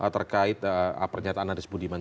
terkait pernyataan naris budiman